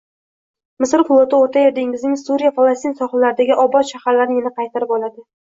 Misr floti O‘rta Yer dengizining Suriya-Falastin sohillaridagi obod shaharlarni yana qaytarib oladi